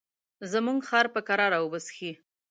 زموږ خر په کراره اوبه څښي.